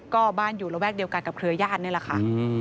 ก็บ้านอยู่ระแวกเดียวกันกับเครือญาตินี่แหละค่ะ